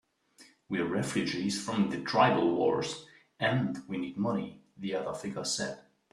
"We're refugees from the tribal wars, and we need money," the other figure said.